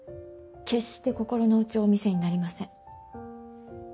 決して心の内をお見せになりません。